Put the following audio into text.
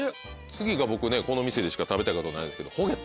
次が僕ねこの店でしか食べたことないんですけど。